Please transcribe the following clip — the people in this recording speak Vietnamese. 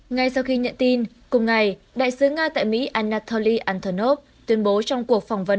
ngay sau khi nhận tin cùng ngày đại sứ nga tại mỹ anatoly anthonov tuyên bố trong cuộc phỏng vấn